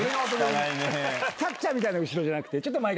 キャッチャーみたいな後ろじゃなくて。